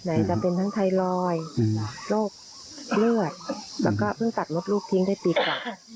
จะเป็นทั้งไทรอยด์โรคเลือดแล้วก็เพิ่งตัดรถลูกทิ้งได้ปีกว่า